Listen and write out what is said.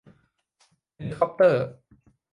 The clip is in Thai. เฮลิคอปเตอร์